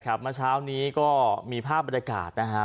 เมื่อเช้านี้ก็มีภาพบรรยากาศนะฮะ